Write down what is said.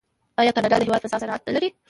آیا کاناډا د هوا فضا صنعت نلري؟